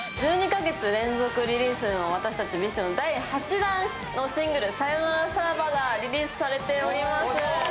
１２カ月連続リリースのミッション、第８弾のシングル「サヨナラサラバ」がリリースされております。